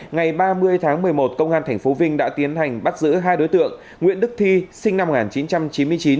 ngày ba mươi tháng một mươi một công an tp vinh đã tiến hành bắt giữ hai đối tượng nguyễn đức thi sinh năm một nghìn chín trăm chín mươi chín